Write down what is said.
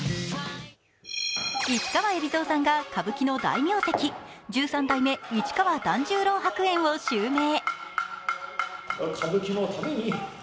市川海老蔵さんが歌舞伎の大名跡十三代目市川團十郎白猿を襲名。